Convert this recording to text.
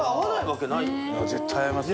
絶対合います。